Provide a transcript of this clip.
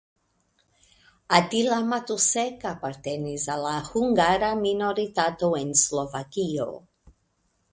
Attila Matusek apartenis al la hungara minoritato en Slovakio.